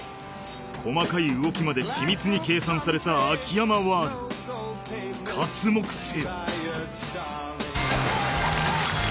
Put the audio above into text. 細かい動きまで緻密に計算された秋山ワールド刮目せよ